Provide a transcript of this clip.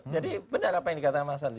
jadi benar apa yang dikatakan mas andri